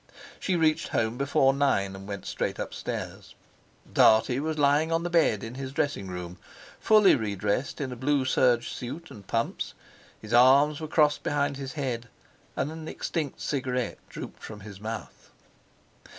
She reached home before nine, and went straight upstairs. Dartie was lying on the bed in his dressing room, fully redressed in a blue serge suit and pumps; his arms were crossed behind his head, and an extinct cigarette drooped from his mouth.